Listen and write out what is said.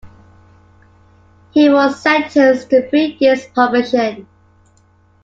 He was sentenced to three years' probation.